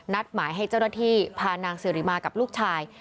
หมายให้เจ้าหน้าที่พานางสิริมากับลูกชาย